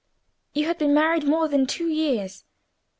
"You had been married more than two years.